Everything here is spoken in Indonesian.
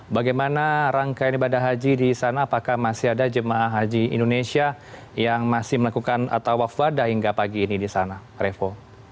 bagaimana rangkaian ibadah haji di sana apakah masih ada jemaah haji indonesia yang masih melakukan atau wafadah hingga pagi ini di sana revo